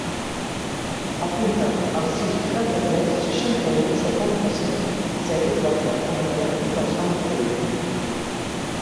Apunta el sis, vuitanta-tres, seixanta-u, setanta-set, zero, quatre com a telèfon del Sam Botello.